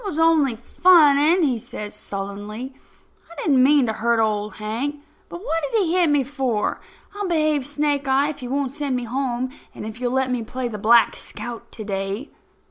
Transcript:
"I was only funning," says he sullenly. "I didn't mean to hurt Old Hank. But what did he hit me for? I'll behave, Snake eye, if you won't send me home, and if you'll let me play the Black Scout to day."